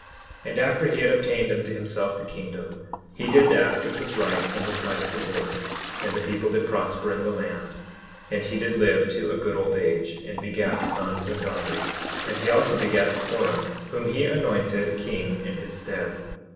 10:16 And after he had obtained unto himself the kingdom he did that which was right in the sight of the Lord; and the people did prosper in the land; and he did live to a good old age, and begat sons and daughters; and he also begat Corom, whom he anointed king in his stead.